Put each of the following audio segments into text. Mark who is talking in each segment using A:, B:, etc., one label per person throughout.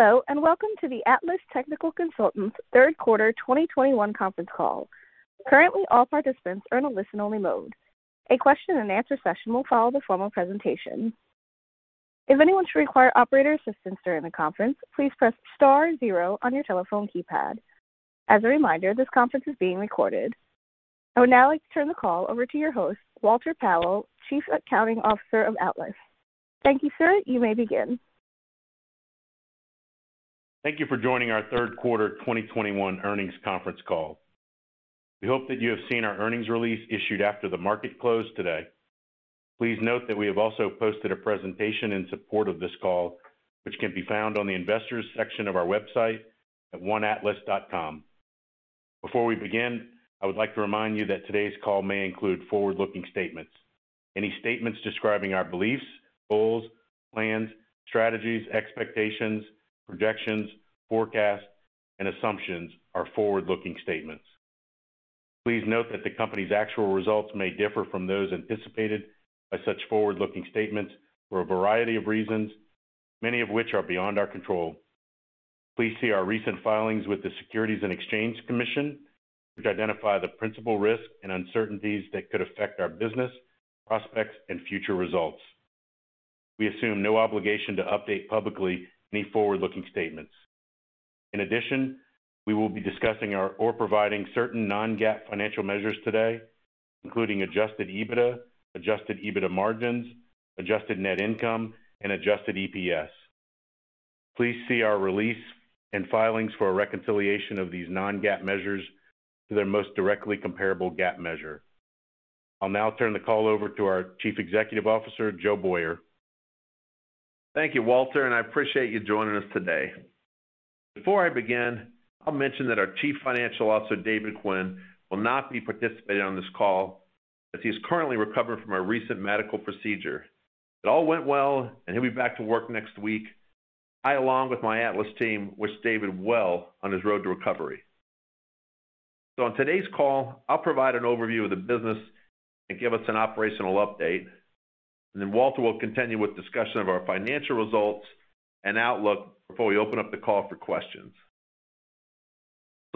A: Hello, and welcome to the Atlas Technical Consultants third quarter 2021 conference call. Currently, all participants are in a listen-only mode. A question-and-answer session will follow the formal presentation. If anyone should require operator assistance during the conference, please press star zero on your telephone keypad. As a reminder, this conference is being recorded. I would now like to turn the call over to your host, Walter Powell, Chief Accounting Officer of Atlas. Thank you, sir. You may begin.
B: Thank you for joining our third quarter 2021 earnings conference call. We hope that you have seen our earnings release issued after the market closed today. Please note that we have also posted a presentation in support of this call, which can be found on the investors section of our website at oneatlas.com. Before we begin, I would like to remind you that today's call may include forward-looking statements. Any statements describing our beliefs, goals, plans, strategies, expectations, projections, forecasts, and assumptions are forward-looking statements. Please note that the company's actual results may differ from those anticipated by such forward-looking statements for a variety of reasons, many of which are beyond our control. Please see our recent filings with the Securities and Exchange Commission, which identify the principal risks and uncertainties that could affect our business, prospects, and future results. We assume no obligation to update publicly any forward-looking statements. In addition, we will be discussing or providing certain non-GAAP financial measures today, including adjusted EBITDA, adjusted EBITDA margins, adjusted net income, and adjusted EPS. Please see our release and filings for a reconciliation of these non-GAAP measures to their most directly comparable GAAP measure. I'll now turn the call over to our Chief Executive Officer, Joe Boyer.
C: Thank you, Walter, and I appreciate you joining us today. Before I begin, I'll mention that our Chief Financial Officer, David Quinn, will not be participating on this call as he is currently recovering from a recent medical procedure. It all went well, and he'll be back to work next week. I, along with my Atlas team, wish David well on his road to recovery. On today's call, I'll provide an overview of the business and give us an operational update, and then Walter will continue with discussion of our financial results and outlook before we open up the call for questions.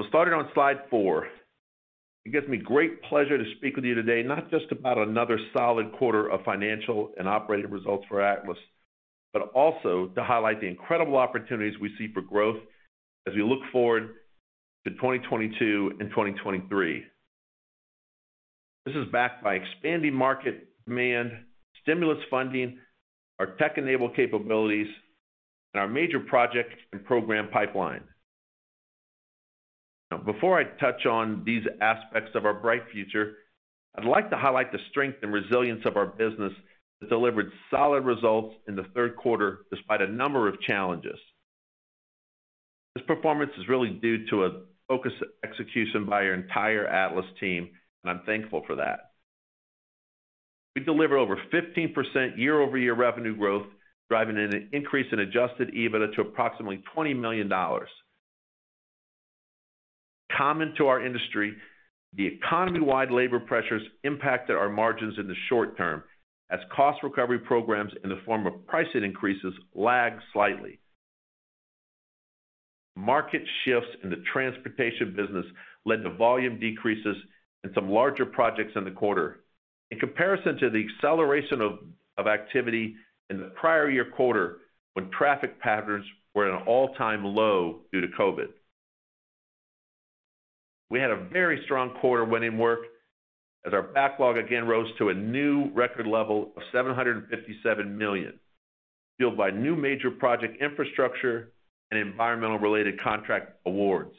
C: Starting on slide four, it gives me great pleasure to speak with you today, not just about another solid quarter of financial and operating results for Atlas, but also to highlight the incredible opportunities we see for growth as we look forward to 2022 and 2023. This is backed by expanding market demand, stimulus funding, our tech-enabled capabilities, and our major project and program pipeline. Now, before I touch on these aspects of our bright future, I'd like to highlight the strength and resilience of our business that delivered solid results in the third quarter despite a number of challenges. This performance is really due to a focused execution by our entire Atlas team, and I'm thankful for that. We delivered over 15% year-over-year revenue growth, driving an increase in adjusted EBITDA to approximately $20 million. Common to our industry, the economy-wide labor pressures impacted our margins in the short term as cost recovery programs in the form of pricing increases lagged slightly. Market shifts in the transportation business led to volume decreases in some larger projects in the quarter. In comparison to the acceleration of activity in the prior year quarter when traffic patterns were at an all-time low due to COVID. We had a very strong quarter winning work as our backlog again rose to a new record level of $757 million, fueled by new major project infrastructure and environmental-related contract awards.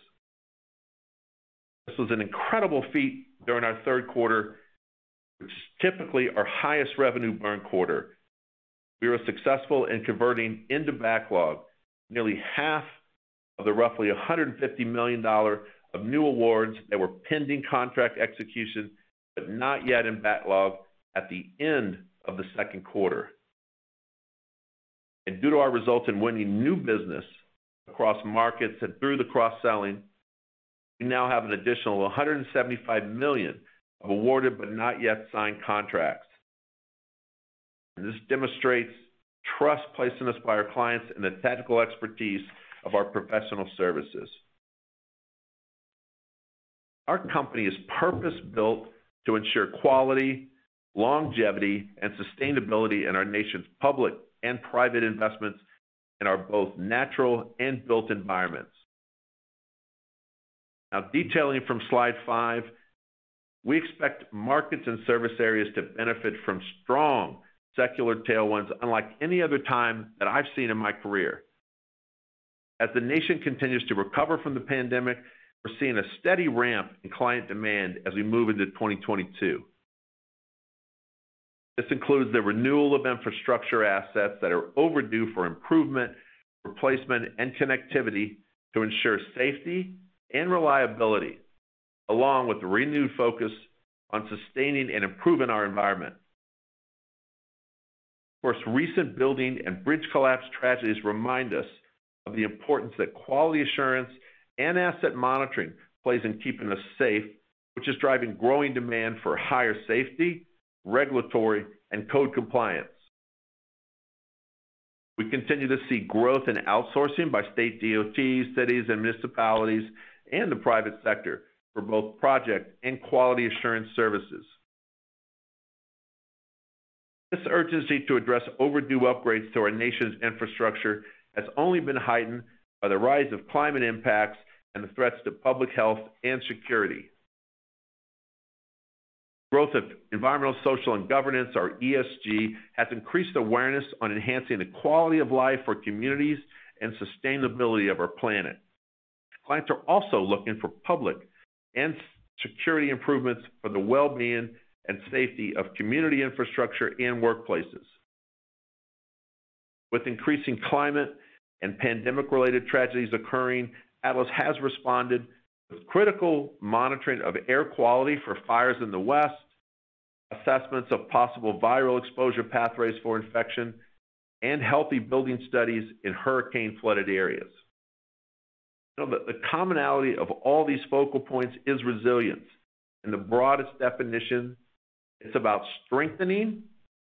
C: This was an incredible feat during our third quarter. It was typically our highest revenue earn quarter. We were successful in converting into backlog nearly half of the roughly $150 million of new awards that were pending contract execution, but not yet in backlog at the end of the second quarter. Due to our results in winning new business across markets and through the cross-selling, we now have an additional $175 million of awarded but not yet signed contracts. This demonstrates trust placed in us by our clients and the technical expertise of our professional services. Our company is purpose-built to ensure quality, longevity, and sustainability in our nation's public and private investments in our both natural and built environments. Now, detailing from slide five, we expect markets and service areas to benefit from strong secular tailwinds unlike any other time that I've seen in my career. As the nation continues to recover from the pandemic, we're seeing a steady ramp in client demand as we move into 2022. This includes the renewal of infrastructure assets that are overdue for improvement, replacement, and connectivity to ensure safety and reliability, along with renewed focus on sustaining and improving our environment. Of course, recent building and bridge collapse tragedies remind us of the importance that quality assurance and asset monitoring plays in keeping us safe. Which is driving growing demand for higher safety, regulatory, and code compliance. We continue to see growth in outsourcing by state DOTs, cities and municipalities, and the private sector for both project and quality assurance services. This urgency to address overdue upgrades to our nation's infrastructure has only been heightened by the rise of climate impacts and the threats to public health and security. Growth of environmental, social, and governance, or ESG, has increased awareness on enhancing the quality of life for communities and sustainability of our planet. Clients are also looking for public and security improvements for the well-being and safety of community infrastructure and workplaces. With increasing climate and pandemic-related tragedies occurring, Atlas has responded with critical monitoring of air quality for fires in the West, assessments of possible viral exposure pathways for infection, and healthy building studies in hurricane-flooded areas. Now, the commonality of all these focal points is resilience. In the broadest definition, it's about strengthening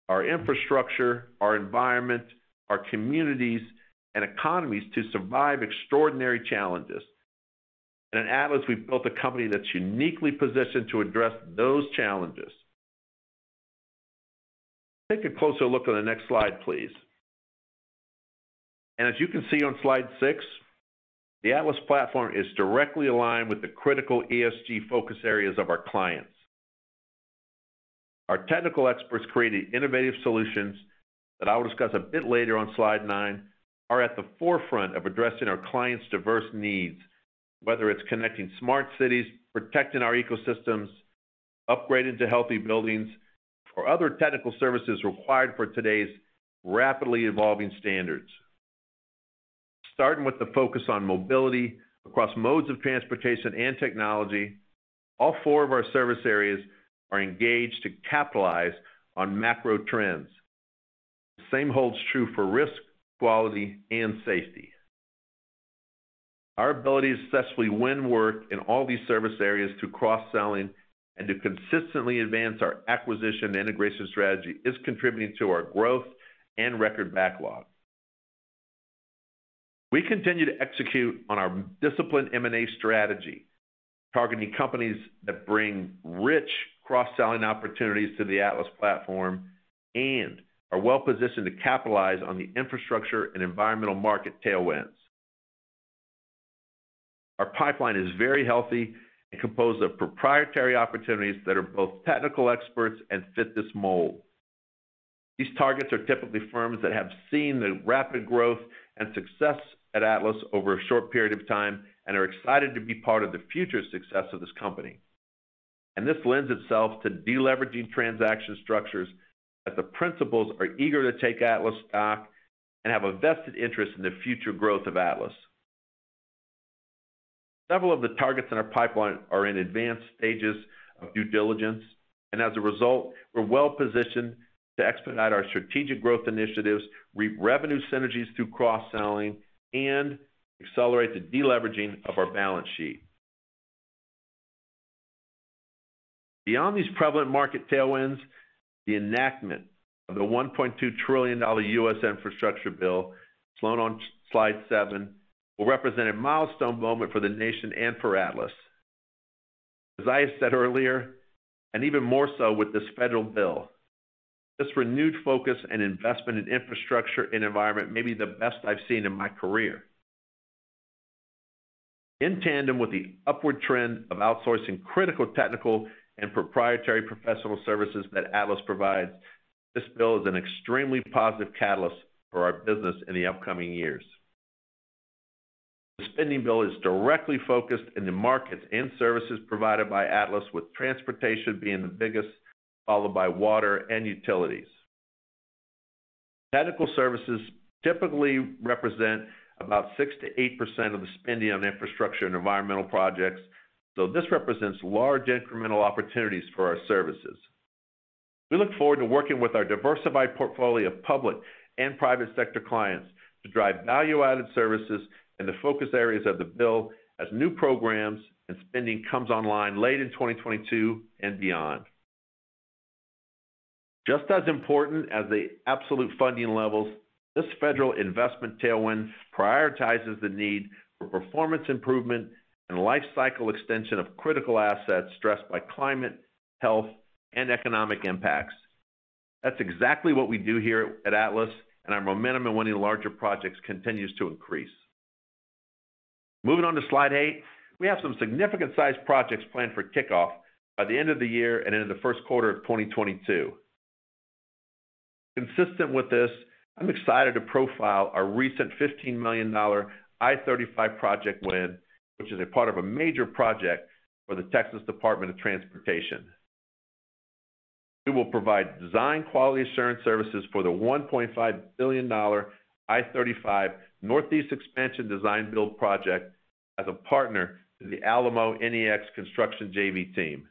C: our infrastructure, our environment, our communities, and economies to survive extraordinary challenges. At Atlas, we've built a company that's uniquely positioned to address those challenges. Take a closer look on the next slide, please. As you can see on slide six, the Atlas platform is directly aligned with the critical ESG focus areas of our clients. Our technical experts creating innovative solutions that I will discuss a bit later on slide nine, are at the forefront of addressing our clients' diverse needs, whether it's connecting smart cities, protecting our ecosystems, upgrading to healthy buildings or other technical services required for today's rapidly evolving standards. Starting with the focus on mobility across modes of transportation and technology, all four of our service areas are engaged to capitalize on macro trends. The same holds true for risk, quality, and safety. Our ability to successfully win work in all these service areas through cross-selling and to consistently advance our acquisition and integration strategy is contributing to our growth and record backlog. We continue to execute on our disciplined M&A strategy, targeting companies that bring rich cross-selling opportunities to the Atlas platform and are well-positioned to capitalize on the infrastructure and environmental market tailwinds. Our pipeline is very healthy and composed of proprietary opportunities that are both technical experts and fit this mold. These targets are typically firms that have seen the rapid growth and success at Atlas over a short period of time and are excited to be part of the future success of this company. This lends itself to deleveraging transaction structures that the principals are eager to take Atlas stock and have a vested interest in the future growth of Atlas. Several of the targets in our pipeline are in advanced stages of due diligence, and as a result, we're well-positioned to expedite our strategic growth initiatives, reap revenue synergies through cross-selling, and accelerate the deleveraging of our balance sheet. Beyond these prevalent market tailwinds, the enactment of the $1.2 trillion U.S. infrastructure bill, as shown on slide seven, will represent a milestone moment for the nation and for Atlas. As I said earlier, and even more so with this federal bill, this renewed focus and investment in infrastructure and environment may be the best I've seen in my career. In tandem with the upward trend of outsourcing critical technical and proprietary professional services that Atlas provides, this bill is an extremely positive catalyst for our business in the upcoming years. The spending bill is directly focused in the markets and services provided by Atlas, with transportation being the biggest, followed by water and utilities. Technical services typically represent about 6%-8% of the spending on infrastructure and environmental projects, so this represents large incremental opportunities for our services. We look forward to working with our diversified portfolio of public and private sector clients to drive value-added services in the focus areas of the bill as new programs and spending comes online late in 2022 and beyond. Just as important as the absolute funding levels, this federal investment tailwind prioritizes the need for performance improvement and lifecycle extension of critical assets stressed by climate, health, and economic impacts. That's exactly what we do here at Atlas, and our momentum in winning larger projects continues to increase. Moving on to slide eight, we have some significant sized projects planned for kickoff by the end of the year and into the first quarter of 2022. Consistent with this, I'm excited to profile our recent $15 million I-35 project win, which is a part of a major project for the Texas Department of Transportation. We will provide design quality assurance services for the $1.5 billion I-35 Northeast Expansion design-build project as a partner to the Alamo NEX Construction JV team.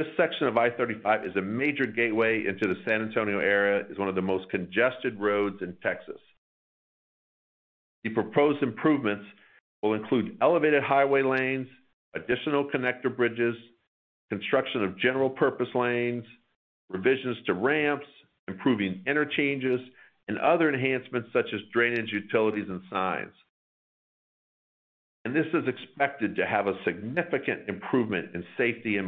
C: This section of I-35 is a major gateway into the San Antonio area. It's one of the most congested roads in Texas. The proposed improvements will include elevated highway lanes, additional connector bridges, construction of general purpose lanes, revisions to ramps, improving interchanges, and other enhancements such as drainage, utilities, and signs. This is expected to have a significant improvement in safety and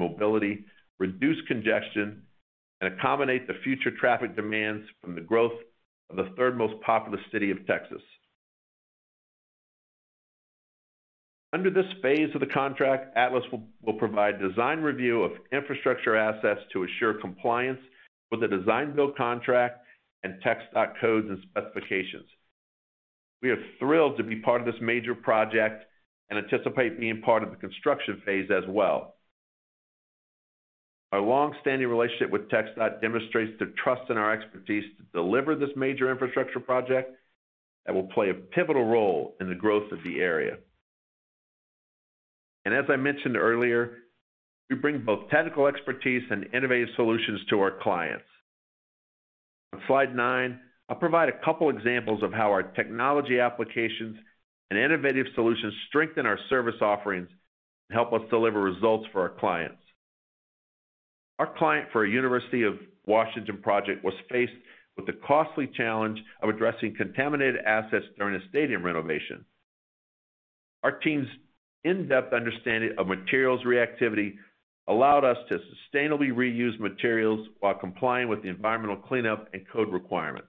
C: mobility, reduce congestion, and accommodate the future traffic demands from the growth of the third most populous city of Texas. Under this phase of the contract, Atlas will provide design review of infrastructure assets to assure compliance with the design-build contract and TxDOT codes and specifications. We are thrilled to be part of this major project and anticipate being part of the construction phase as well. Our long-standing relationship with TxDOT demonstrates their trust in our expertise to deliver this major infrastructure project that will play a pivotal role in the growth of the area. As I mentioned earlier, we bring both technical expertise and innovative solutions to our clients. On slide nine, I'll provide a couple examples of how our technology applications and innovative solutions strengthen our service offerings and help us deliver results for our clients. Our client for a University of Washington project was faced with the costly challenge of addressing contaminated assets during a stadium renovation. Our team's in-depth understanding of materials reactivity allowed us to sustainably reuse materials while complying with the environmental cleanup and code requirements.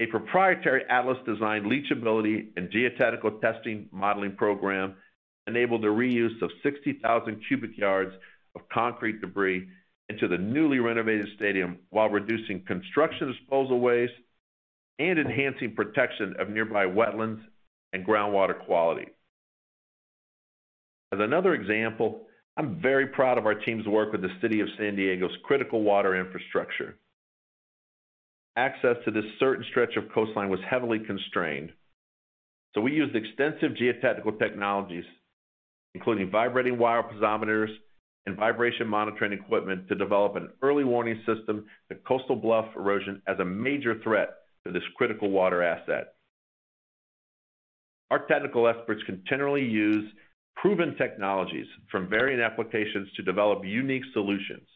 C: A proprietary Atlas-designed leachability and geotechnical testing modeling program enabled the reuse of 60,000 cubic yards of concrete debris into the newly renovated stadium while reducing construction disposal waste and enhancing protection of nearby wetlands and groundwater quality. As another example, I'm very proud of our team's work with the city of San Diego's critical water infrastructure. Access to this certain stretch of coastline was heavily constrained, so we used extensive geotechnical technologies, including vibrating wire piezometers and vibration monitoring equipment, to develop an early warning system to coastal bluff erosion as a major threat to this critical water asset. Our technical experts continually use proven technologies from varying applications to develop unique solutions,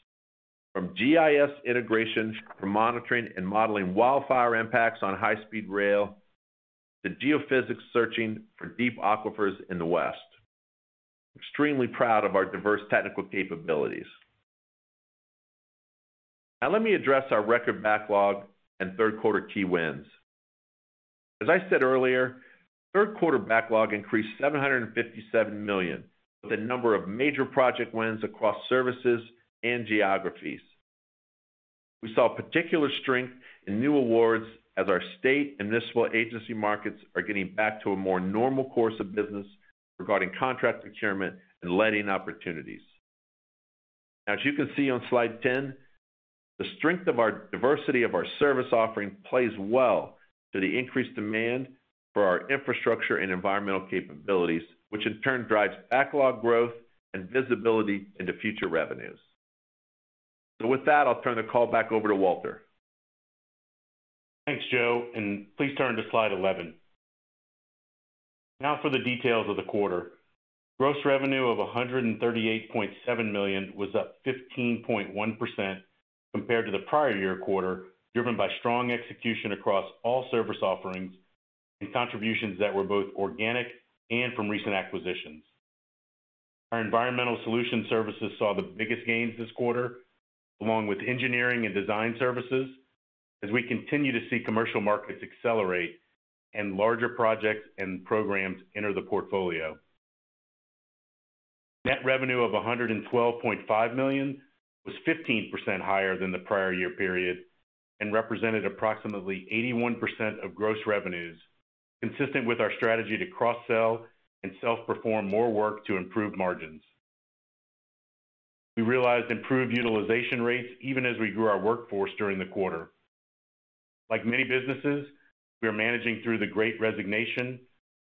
C: from GIS integration for monitoring and modeling wildfire impacts on high-speed rail to geophysics searching for deep aquifers in the West. Extremely proud of our diverse technical capabilities. Now let me address our record backlog and third quarter key wins. As I said earlier, third quarter backlog increased $757 million with a number of major project wins across services and geographies. We saw particular strength in new awards as our state and municipal agency markets are getting back to a more normal course of business regarding contract procurement and letting opportunities. As you can see on slide 10, the strength of our diversity of our service offering plays well to the increased demand for our infrastructure and environmental capabilities, which in turn drives backlog growth and visibility into future revenues. With that, I'll turn the call back over to Walter.
B: Thanks, Joe, and please turn to slide 11. Now for the details of the quarter. Gross revenue of $138.7 million was up 15.1% compared to the prior year quarter, driven by strong execution across all service offerings and contributions that were both organic and from recent acquisitions. Our environmental solution services saw the biggest gains this quarter, along with engineering and design services as we continue to see commercial markets accelerate and larger projects and programs enter the portfolio. Net revenue of $112.5 million was 15% higher than the prior year period and represented approximately 81% of gross revenues, consistent with our strategy to cross-sell and self-perform more work to improve margins. We realized improved utilization rates even as we grew our workforce during the quarter. Like many businesses, we are managing through the Great Resignation,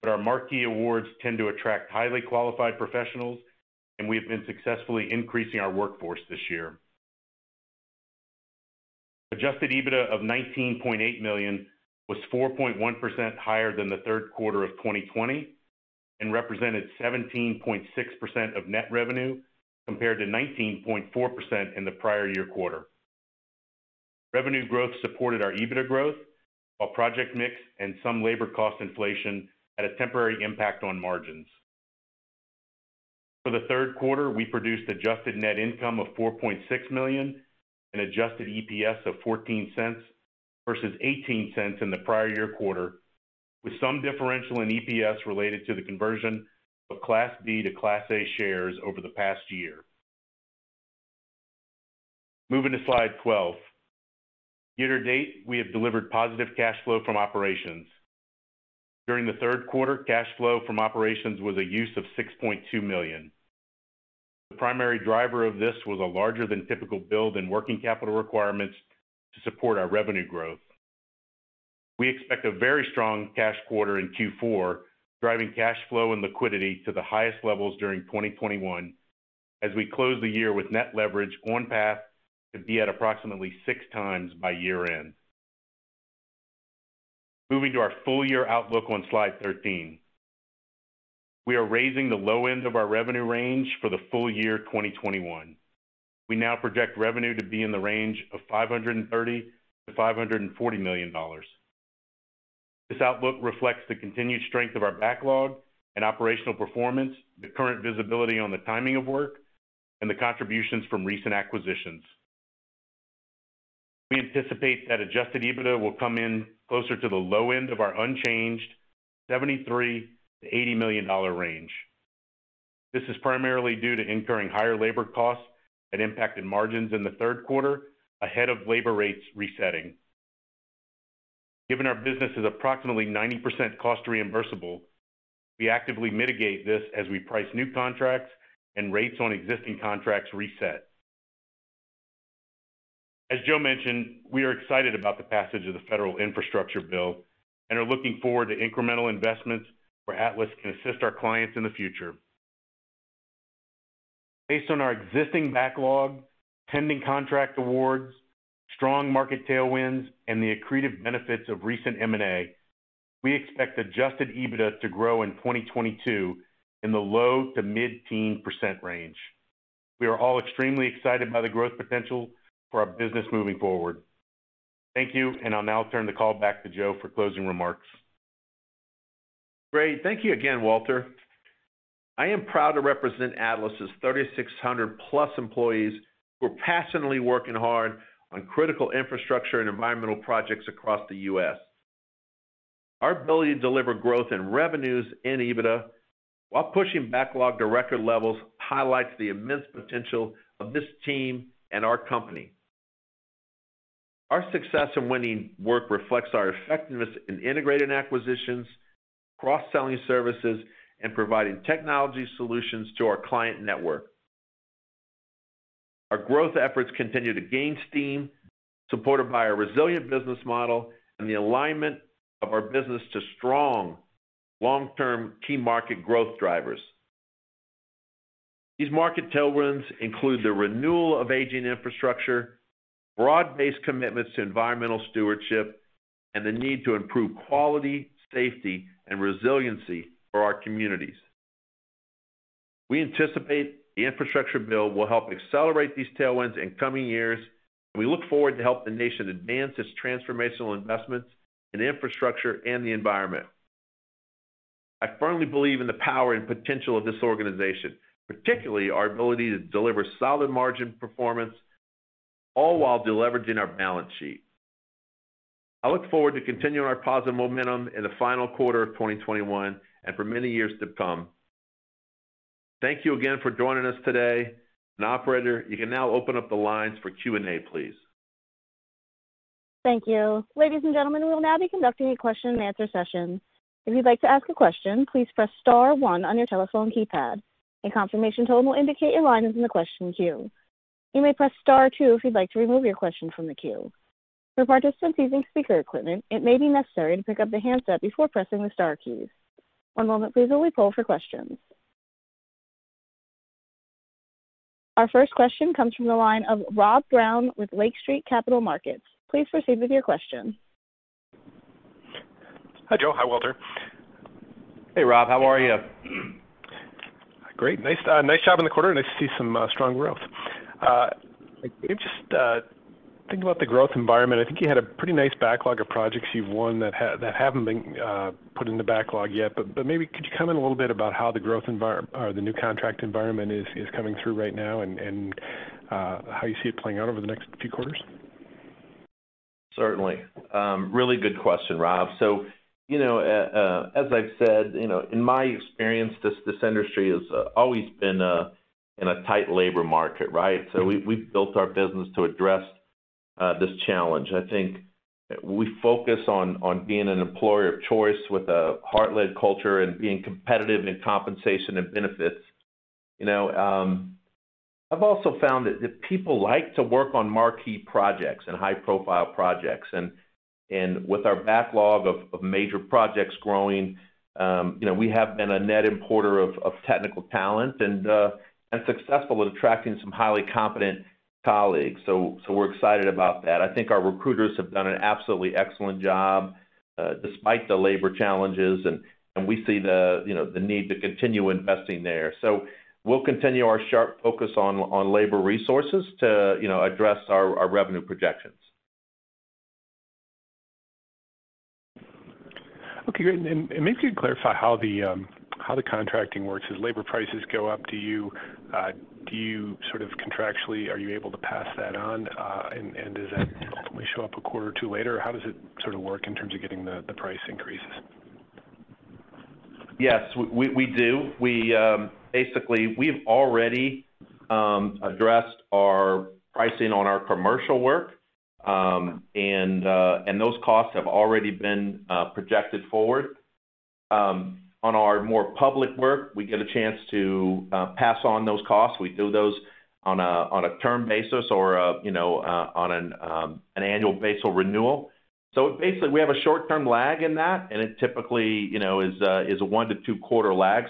B: but our marquee awards tend to attract highly qualified professionals, and we have been successfully increasing our workforce this year. Adjusted EBITDA of $19.8 million was 4.1% higher than the third quarter of 2020 and represented 17.6% of net revenue compared to 19.4% in the prior year quarter. Revenue growth supported our EBITDA growth while project mix and some labor cost inflation had a temporary impact on margins. For the third quarter, we produced adjusted net income of $4.6 million and adjusted EPS of $0.14 versus $0.18 in the prior year quarter, with some differential in EPS related to the conversion of Class B to Class A shares over the past year. Moving to slide 12. Year to date, we have delivered positive cash flow from operations. During the third quarter, cash flow from operations was a use of $6.2 million. The primary driver of this was a larger than typical build in working capital requirements to support our revenue growth. We expect a very strong cash quarter in Q4, driving cash flow and liquidity to the highest levels during 2021 as we close the year with net leverage on path to be at approximately 6x by year end. Moving to our full year outlook on slide 13. We are raising the low end of our revenue range for the full year 2021. We now project revenue to be in the range of $530 million-$540 million. This outlook reflects the continued strength of our backlog and operational performance, the current visibility on the timing of work, and the contributions from recent acquisitions. We anticipate that adjusted EBITDA will come in closer to the low end of our unchanged $73 million-$80 million range. This is primarily due to incurring higher labor costs that impacted margins in the third quarter ahead of labor rates resetting. Given our business is approximately 90% cost-reimbursable, we actively mitigate this as we price new contracts and rates on existing contracts reset. As Joe mentioned, we are excited about the passage of the federal infrastructure bill and are looking forward to incremental investments where Atlas can assist our clients in the future. Based on our existing backlog, pending contract awards, strong market tailwinds, and the accretive benefits of recent M&A, we expect adjusted EBITDA to grow in 2022 in the low- to mid-teen percent range. We are all extremely excited by the growth potential for our business moving forward. Thank you, and I'll now turn the call back to Joe for closing remarks.
C: Great. Thank you again, Walter. I am proud to represent Atlas' 3,600+ employees who are passionately working hard on critical infrastructure and environmental projects across the U.S. Our ability to deliver growth in revenues and EBITDA while pushing backlog to record levels highlights the immense potential of this team and our company. Our success in winning work reflects our effectiveness in integrating acquisitions, cross-selling services, and providing technology solutions to our client network. Our growth efforts continue to gain steam, supported by our resilient business model and the alignment of our business to strong long-term key market growth drivers. These market tailwinds include the renewal of aging infrastructure, broad-based commitments to environmental stewardship, and the need to improve quality, safety, and resiliency for our communities. We anticipate the infrastructure bill will help accelerate these tailwinds in coming years, and we look forward to help the nation advance its transformational investments in infrastructure and the environment. I firmly believe in the power and potential of this organization, particularly our ability to deliver solid margin performance, all while deleveraging our balance sheet. I look forward to continuing our positive momentum in the final quarter of 2021 and for many years to come. Thank you again for joining us today. Operator, you can now open up the lines for Q&A, please.
A: Thank you. Ladies and gentlemen, we will now be conducting a question and answer session. If you'd like to ask a question, please press star one on your telephone keypad. A confirmation tone will indicate your line is in the question queue. You may press star two if you'd like to remove your question from the queue. For participants using speaker equipment, it may be necessary to pick up the handset before pressing the star keys. One moment please while we poll for questions. Our first question comes from the line of Rob Brown with Lake Street Capital Markets. Please proceed with your question.
D: Hi, Joe. Hi, Walter.
C: Hey, Rob. How are you?
D: Great. Nice, nice job in the quarter. Nice to see some strong growth. Maybe just thinking about the growth environment, I think you had a pretty nice backlog of projects you've won that haven't been put in the backlog yet, but maybe could you comment a little bit about how the growth environment or the new contract environment is coming through right now and how you see it playing out over the next few quarters?
C: Certainly. Really good question, Rob. You know, as I've said, you know, in my experience, this industry has always been in a tight labor market, right? We've built our business to address this challenge. I think we focus on being an employer of choice with a heart-led culture and being competitive in compensation and benefits. You know, I've also found that people like to work on marquee projects and high-profile projects. With our backlog of major projects growing, you know, we have been a net importer of technical talent and successful with attracting some highly competent colleagues. We're excited about that. I think our recruiters have done an absolutely excellent job, despite the labor challenges and we see, you know, the need to continue investing there. We'll continue our sharp focus on labor resources to, you know, address our revenue projections.
D: Okay, great. Maybe you could clarify how the contracting works. As labor prices go up, do you sort of contractually are you able to pass that on? Does that ultimately show up a quarter or two later? How does it sort of work in terms of getting the price increases?
C: Yes, we do. We basically, we've already addressed our pricing on our commercial work. Those costs have already been projected forward. On our more public work, we get a chance to pass on those costs. We do those on a term basis or, you know, on an annual basis or renewal. Basically, we have a short-term lag in that, and it typically, you know, is a one- to two-quarter lag.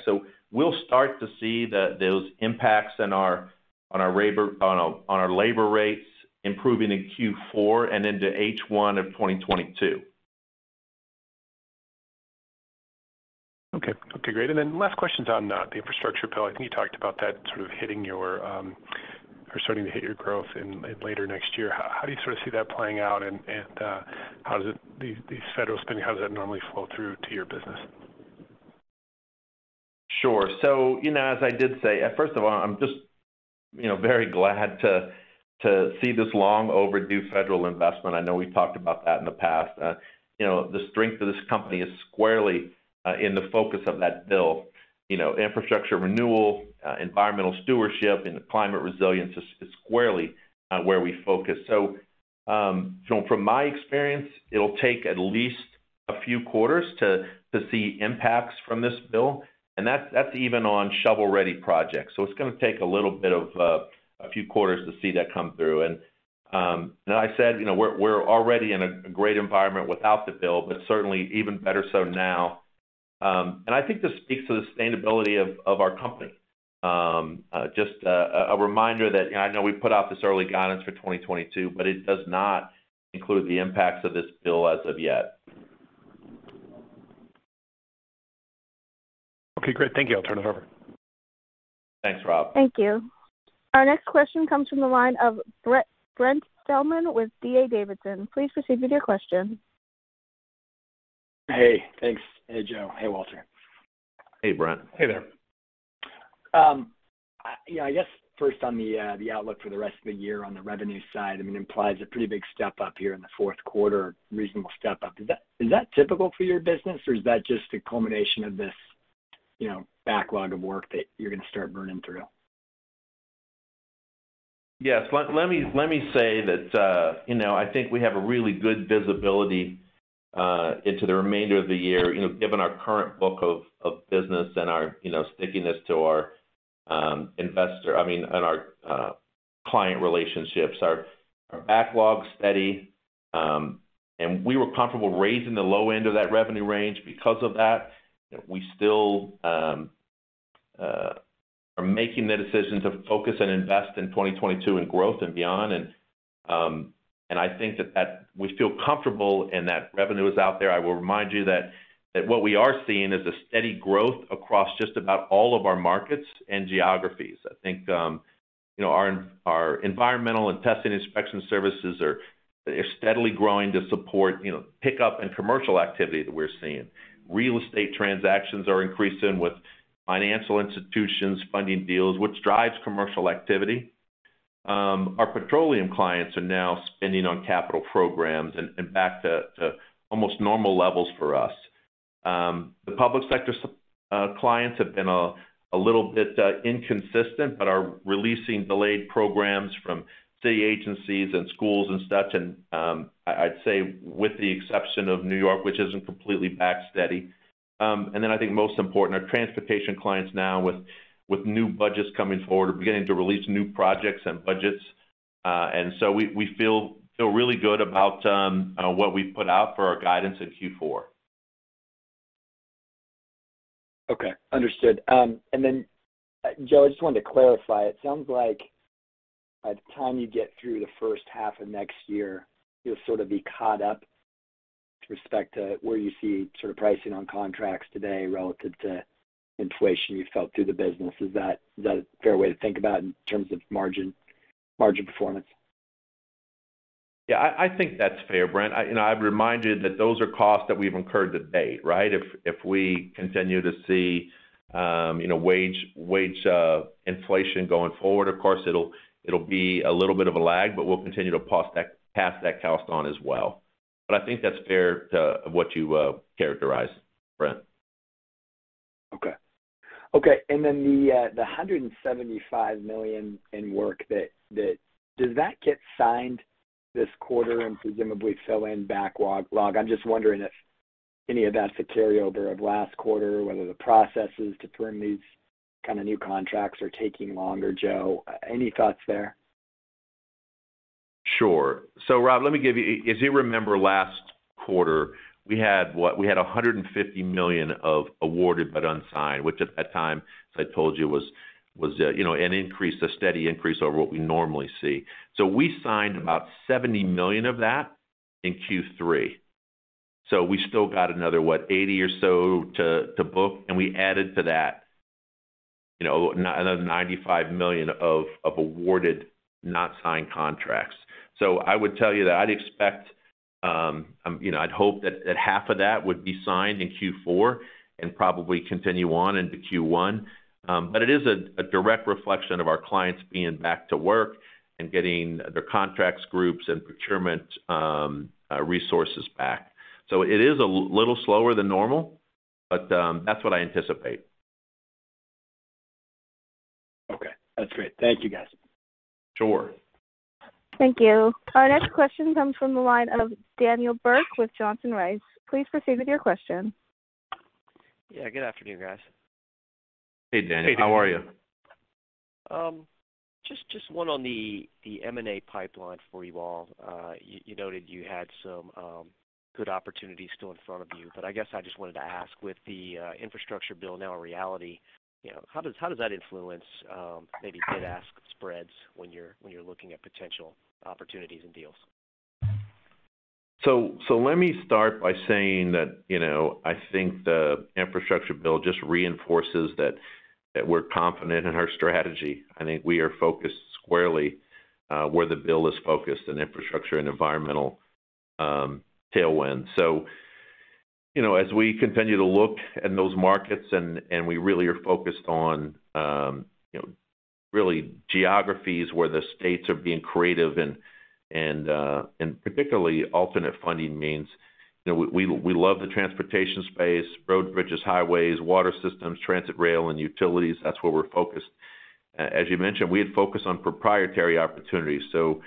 C: We'll start to see those impacts on our labor rates improving in Q4 and into H1 of 2022.
D: Okay. Okay, great. Then last question is on the infrastructure bill. I think you talked about that sort of hitting your or starting to hit your growth in later next year. How do you sort of see that playing out and how does the federal spending normally flow through to your business?
C: Sure. You know, as I did say, first of all, I'm just, you know, very glad to see this long overdue federal investment. I know we've talked about that in the past. You know, the strength of this company is squarely in the focus of that bill. You know, infrastructure renewal, environmental stewardship, and the climate resilience is squarely where we focus. From my experience, it'll take at least a few quarters to see impacts from this bill. That's even on shovel-ready projects. It's gonna take a little bit of a few quarters to see that come through. I said, you know, we're already in a great environment without the bill, but certainly even better so now. I think this speaks to the sustainability of our company. Just a reminder that, you know, I know we put out this early guidance for 2022, but it does not include the impacts of this bill as of yet.
D: Okay, great. Thank you. I'll turn it over.
C: Thanks, Rob.
A: Thank you. Our next question comes from the line of Brent Thielman with D.A. Davidson. Please proceed with your question.
E: Hey. Thanks. Hey, Joe. Hey, Walter.
C: Hey, Brent.
B: Hey there.
E: I guess first on the outlook for the rest of the year on the revenue side, I mean, it implies a pretty big step up here in the fourth quarter, reasonable step up. Is that typical for your business, or is that just a culmination of this, you know, backlog of work that you're gonna start burning through?
C: Yes. Let me say that, you know, I think we have a really good visibility into the remainder of the year, you know, given our current book of business and our, you know, stickiness to our investor. I mean, and our client relationships. Our backlog's steady, and we were comfortable raising the low end of that revenue range because of that. We still are making the decision to focus and invest in 2022 in growth and beyond. I think that we feel comfortable and that revenue is out there. I will remind you that what we are seeing is a steady growth across just about all of our markets and geographies. I think, you know, our environmental and testing inspection services are steadily growing to support, you know, pickup in commercial activity that we're seeing. Real estate transactions are increasing with financial institutions funding deals, which drives commercial activity. Our petroleum clients are now spending on capital programs and back to almost normal levels for us. The public sector clients have been a little bit inconsistent, but are releasing delayed programs from city agencies and schools and such, and I'd say with the exception of New York, which isn't completely back steady. I think most important, our transportation clients now with new budgets coming forward are beginning to release new projects and budgets. We feel really good about what we've put out for our guidance in Q4.
E: Okay. Understood. Joe, I just wanted to clarify. It sounds like by the time you get through the first half of next year, you'll sort of be caught up with respect to where you see sort of pricing on contracts today relative to inflation you felt through the business. Is that a fair way to think about in terms of margin performance?
C: Yeah. I think that's fair, Brent. You know, I'd remind you that those are costs that we've incurred to date, right? If we continue to see, you know, wage inflation going forward, of course it'll be a little bit of a lag, but we'll continue to pass that cost on as well. I think that's fair to what you characterized, Brent.
E: Okay. Okay. Then the $175 million in work that does that get signed this quarter and presumably fill in backlog? I'm just wondering if any of that's a carryover of last quarter, whether the processes to bring these kind of new contracts are taking longer, Joe. Any thoughts there?
C: Sure. Rob, let me give you. As you remember last quarter, we had $150 million of awarded but unsigned, which at that time, as I told you, was you know, an increase, a steady increase over what we normally see. We signed about $70 million of that in Q3. We still got another 80 or so to book, and we added to that, you know, another $95 million of awarded, not signed contracts. I would tell you that I'd expect you know, I'd hope that half of that would be signed in Q4 and probably continue on into Q1. But it is a direct reflection of our clients being back to work and getting their contracts groups and procurement resources back. It is a little slower than normal, but that's what I anticipate.
E: That's great. Thank you, guys.
C: Sure.
A: Thank you. Our next question comes from the line of Daniel Burke with Johnson Rice. Please proceed with your question.
F: Yeah, good afternoon, guys.
C: Hey, Dan, how are you?
F: Just one on the M&A pipeline for you all. You noted you had some good opportunities still in front of you, but I guess I just wanted to ask, with the infrastructure bill now a reality, you know, how does that influence maybe bid ask spreads when you're looking at potential opportunities and deals?
C: Let me start by saying that, you know, I think the infrastructure bill just reinforces that we're confident in our strategy. I think we are focused squarely where the bill is focused in infrastructure and environmental tailwinds. You know, as we continue to look in those markets and we really are focused on, you know, really geographies where the states are being creative and particularly alternate funding means. You know, we love the transportation space, roads, bridges, highways, water systems, transit, rail, and utilities. That's where we're focused. As you mentioned, we had focused on proprietary opportunities, so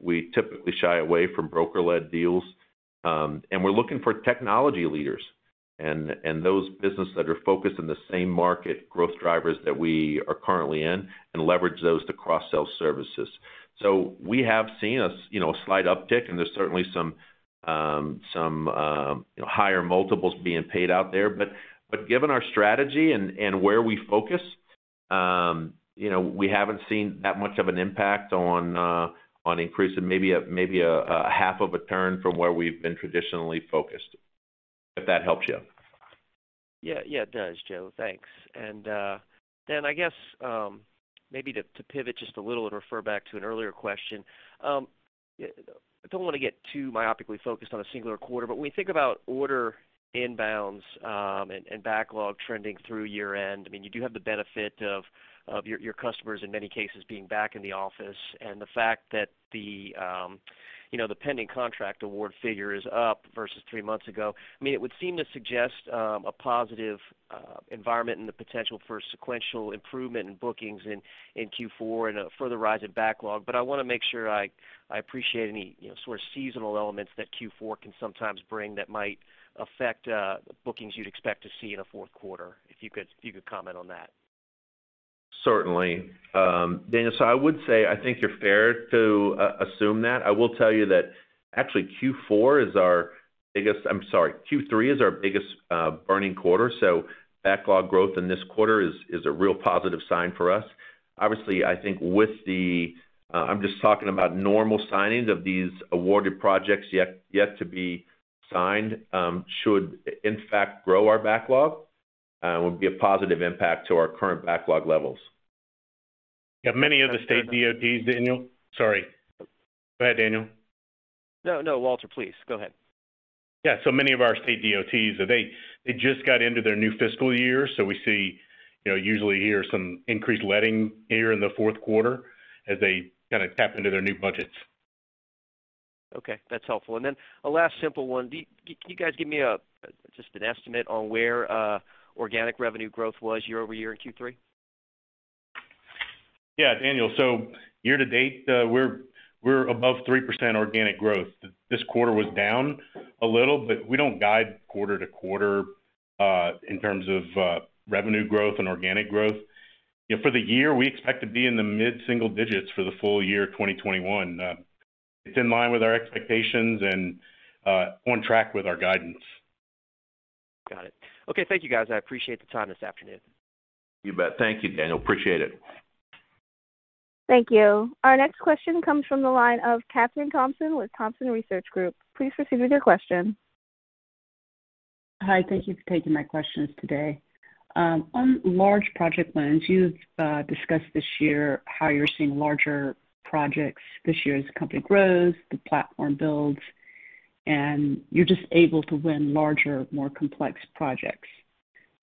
C: we typically shy away from broker-led deals. We're looking for technology leaders and those businesses that are focused in the same market growth drivers that we are currently in and leverage those to cross-sell services. We have seen you know, a slight uptick, and there's certainly some higher multiples being paid out there. But given our strategy and where we focus, you know, we haven't seen that much of an impact on increase of maybe a half of a turn from where we've been traditionally focused, if that helps you.
F: Yeah. Yeah, it does, Joe. Thanks. Then I guess maybe to pivot just a little and refer back to an earlier question. I don't want to get too myopically focused on a singular quarter, but when you think about order inbounds and backlog trending through year-end, I mean, you do have the benefit of your customers, in many cases, being back in the office and the fact that you know, the pending contract award figure is up versus three months ago. I mean, it would seem to suggest a positive environment and the potential for sequential improvement in bookings in Q4 and a further rise in backlog. I wanna make sure I appreciate any, you know, sort of seasonal elements that Q4 can sometimes bring that might affect bookings you'd expect to see in a fourth quarter. If you could comment on that.
C: Certainly. Daniel, I would say I think you're fair to assume that. I will tell you that actually Q3 is our biggest earnings quarter, backlog growth in this quarter is a real positive sign for us. Obviously, I think I'm just talking about normal signings of these awarded projects yet to be signed, should in fact grow our backlog, would be a positive impact to our current backlog levels.
B: Yeah, many of the state DOTs, Daniel. Sorry. Go ahead, Daniel.
F: No, no, Walter, please. Go ahead.
B: Yeah. Many of our state DOTs, they just got into their new fiscal year, so we see, you know, usually hear some increased letting in the fourth quarter as they kind of tap into their new budgets.
F: Okay, that's helpful. A last simple one. Can you guys give me just an estimate on where organic revenue growth was year-over-year in Q3?
B: Yeah, Daniel. Year to date, we're above 3% organic growth. This quarter was down a little, but we don't guide quarter to quarter in terms of revenue growth and organic growth. You know, for the year, we expect to be in the mid-single digits for the full year 2021. It's in line with our expectations and on track with our guidance.
F: Got it. Okay. Thank you, guys. I appreciate the time this afternoon.
C: You bet. Thank you, Daniel. Appreciate it.
A: Thank you. Our next question comes from the line of Kathryn Thompson with Thompson Research Group. Please proceed with your question.
G: Hi. Thank you for taking my questions today. On large project wins, you've discussed this year how you're seeing larger projects this year as the company grows, the platform builds, and you're just able to win larger, more complex projects.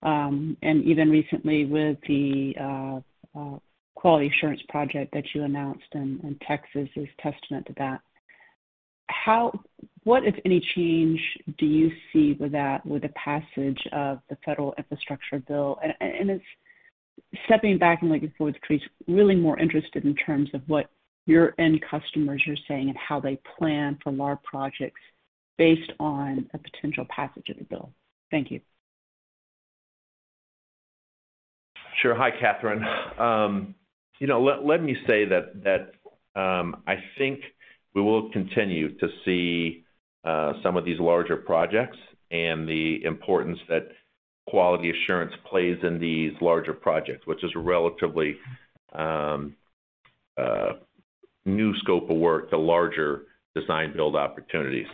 G: Even recently with the quality assurance project that you announced in Texas is testament to that. What, if any, change do you see with that with the passage of the federal infrastructure bill? Stepping back and looking forward, it's really more interested in terms of what your end customers are saying and how they plan for large projects based on a potential passage of the bill. Thank you.
C: Sure. Hi, Kathryn. You know, let me say that I think we will continue to see some of these larger projects and the importance that quality assurance plays in these larger projects, which is a relatively new scope of work, the larger design-build opportunities.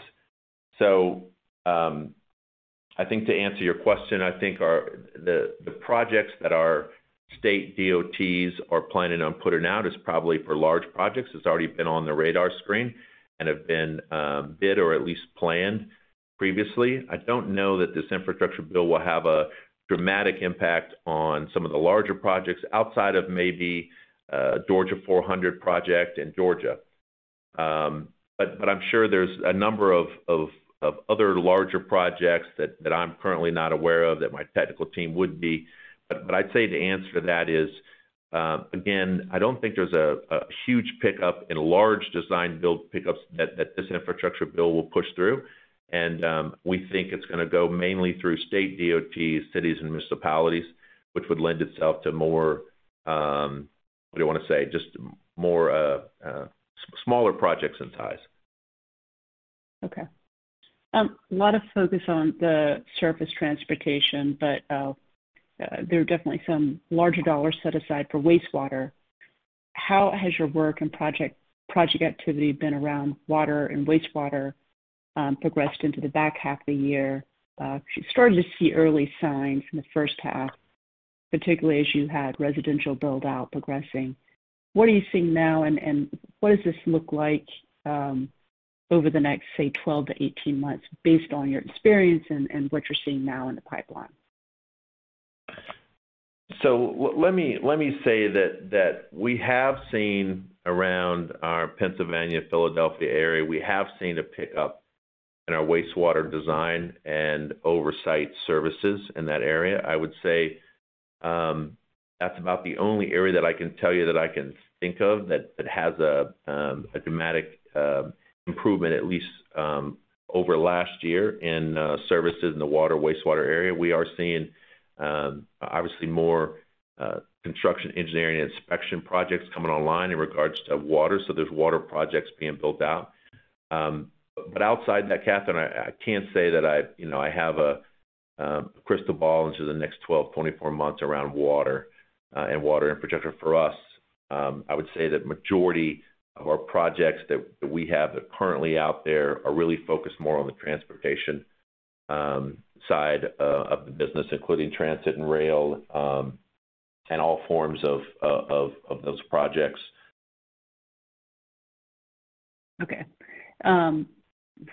C: I think to answer your question, I think the projects that our state DOTs are planning on putting out is probably for large projects that's already been on the radar screen and have been bid or at least planned previously. I don't know that this infrastructure bill will have a dramatic impact on some of the larger projects outside of maybe Georgia 400 project in Georgia. I'm sure there's a number of other larger projects that I'm currently not aware of that my technical team would be. I'd say the answer to that is, again, I don't think there's a huge pickup in large design-build pickups that this infrastructure bill will push through. We think it's gonna go mainly through state DOTs, cities, and municipalities, which would lend itself to more smaller projects in size.
G: Okay. A lot of focus on the surface transportation, but there are definitely some larger dollars set aside for wastewater. How has your work and project activity been around water and wastewater progressed into the back half of the year? You started to see early signs in the first half, particularly as you had residential build-out progressing. What are you seeing now, and what does this look like over the next, say, 12-18 months based on your experience and what you're seeing now in the pipeline?
C: Let me say that we have seen around our Pennsylvania/Philadelphia area a pickup in our wastewater design and oversight services in that area. I would say that's about the only area that I can tell you that I can think of that has a dramatic improvement, at least over last year in services in the water/wastewater area. We are seeing obviously more construction engineering and inspection projects coming online in regards to water, so there's water projects being built out. But outside that, Kathryn, I can't say that I, you know, I have a crystal ball into the next 12, 24 months around water and water infrastructure. For us, I would say that majority of our projects that we have currently out there are really focused more on the transportation side of the business, including transit and rail, and all forms of those projects.
G: Okay.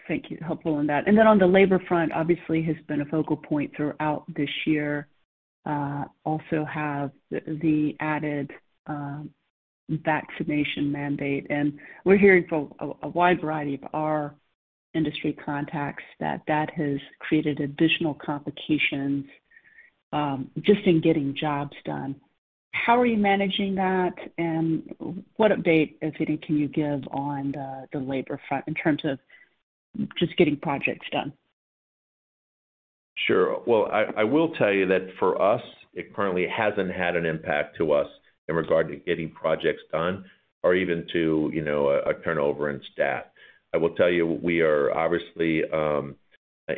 G: Thank you. Helpful on that. Then on the labor front, obviously has been a focal point throughout this year. We also have the added vaccination mandate. We're hearing from a wide variety of our industry contacts that has created additional complications just in getting jobs done. How are you managing that, and what update, if any, can you give on the labor front in terms of just getting projects done?
C: Sure. Well, I will tell you that for us, it currently hasn't had an impact to us in regard to getting projects done or even to, you know, turnover in staff. I will tell you, we are obviously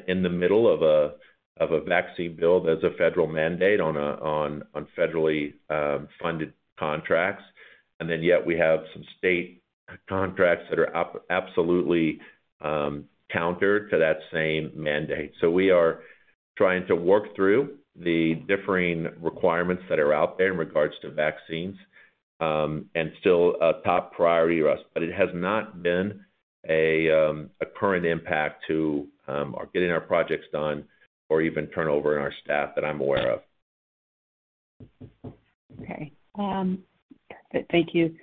C: in the middle of a vaccine bill that's a federal mandate on federally funded contracts, and then yet we have some state contracts that are absolutely counter to that same mandate. We are trying to work through the differing requirements that are out there in regards to vaccines, and still a top priority to us. It has not been a current impact to our getting our projects done or even turnover in our staff that I'm aware of.
G: Okay. Thank you.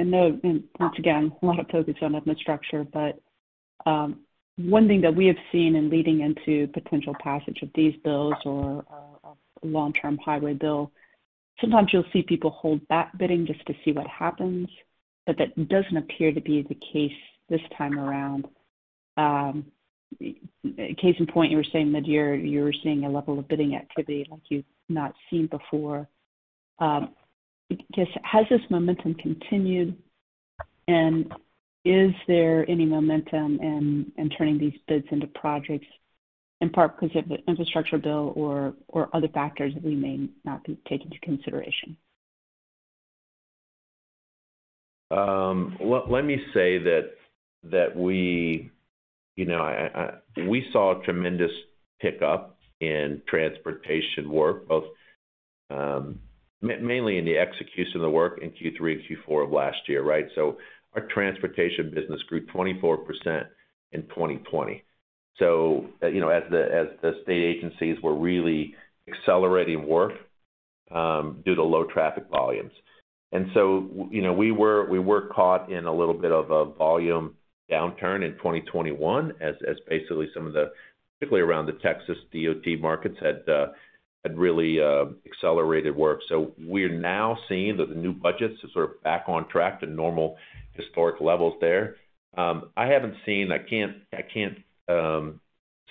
G: Note, once again, a lot of focus on infrastructure, but one thing that we have seen leading into potential passage of these bills or a long-term highway bill, sometimes you'll see people hold back bidding just to see what happens, but that doesn't appear to be the case this time around. Case in point, you were saying midyear you were seeing a level of bidding activity like you've not seen before. Has this momentum continued, and is there any momentum in turning these bids into projects, in part because of the infrastructure bill or other factors that we may not be taking into consideration?
C: You know, we saw a tremendous pickup in transportation work, both mainly in the execution of the work in Q3 and Q4 of last year, right? Our transportation business grew 24% in 2020, you know, as the state agencies were really accelerating work due to low traffic volumes. You know, we were caught in a little bit of a volume downturn in 2021 as basically some of the, particularly around the Texas DOT markets, had really accelerated work. We're now seeing that the new budgets are sort of back on track to normal historic levels there. I haven't seen. I can't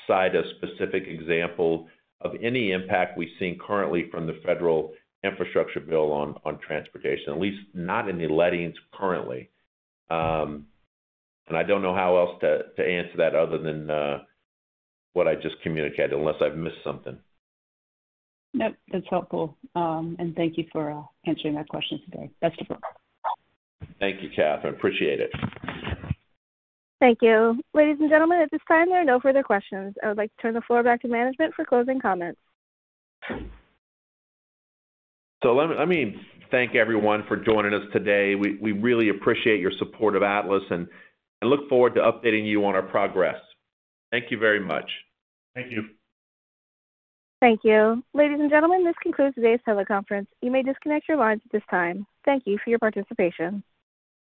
C: cite a specific example of any impact we've seen currently from the federal infrastructure bill on transportation, at least not in the lettings currently. I don't know how else to answer that other than what I just communicated, unless I've missed something.
G: Nope. That's helpful. Thank you for answering our questions today. Best of luck.
C: Thank you, Kathryn. Appreciate it.
A: Thank you. Ladies and gentlemen, at this time, there are no further questions. I would like to turn the floor back to management for closing comments.
C: Let me thank everyone for joining us today. We really appreciate your support of Atlas and look forward to updating you on our progress. Thank you very much.
B: Thank you.
A: Thank you. Ladies and gentlemen, this concludes today's teleconference. You may disconnect your lines at this time. Thank you for your participation.